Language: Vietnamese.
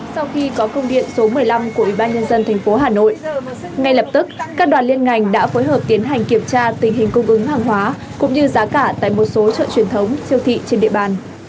sau khi có công điện số một mươi năm của ubnd tp hà nội ngay lập tức các đoàn liên ngành đã phối hợp tiến hành kiểm tra tình hình cung ứng hàng hóa cũng như giá cả tại một số chợ truyền thống siêu thị trên địa bàn